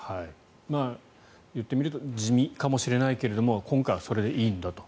言ってみると地味かもしれないけれども今回はそれでいいんだと。